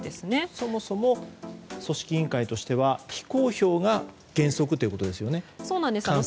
そもそも組織委員会としては非公表が原則ということですよね。